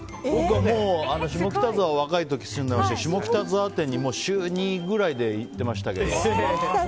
下北沢、若い時住んでまして下北沢店に週２くらいで行ってましたけど。